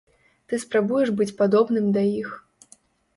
Ты спрабуеш быць падобным да іх.